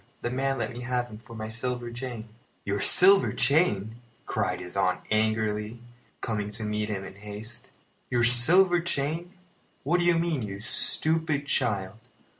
The man let me have him for my silver chain." "Your silver chain!" cried his aunt angrily, coming to meet him in haste. "Your silver chain! What do you mean, you stupid child?